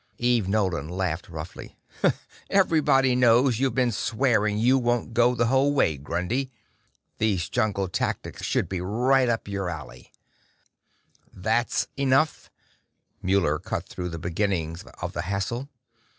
Eve Nolan laughed roughly. "Everybody knows you've been swearing you won't go the whole way, Grundy. These jungle tactics should be right up your alley." "That's enough," Muller cut through the beginnings of the hassle.